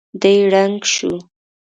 دی ړنګ شو.